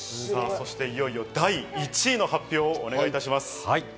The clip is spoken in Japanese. いよいよ第１位の発表をお願いします。